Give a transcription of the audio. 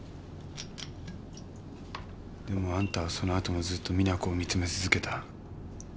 でもあんたはその後もずっと実那子を見つめ続けた。